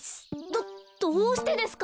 どどうしてですか？